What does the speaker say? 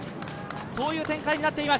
そういう展開になっています。